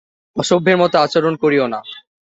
অসভ্যের মতো আচরণ করিও না।